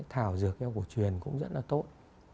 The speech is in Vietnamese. thảo dược theo cuộc truyền cũng rất là tốt